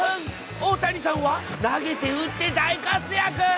大谷さんは、投げて打って大活躍。